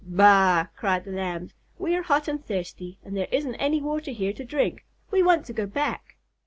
"Baa!" cried the Lambs. "We are hot and thirsty and there isn't any water here to drink. We want to go back."